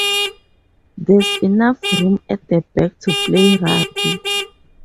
There’s enough room at the back to play rugby.